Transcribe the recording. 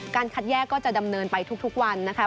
การคัดแยกจะดำเนินไปทุกวันนะครับ